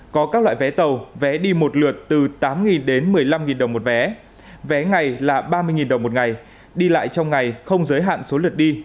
có các loại vé tàu vé đi một lượt từ tám đến một mươi năm đồng một vé vé ngày là ba mươi đồng một ngày đi lại trong ngày không giới hạn số lượt đi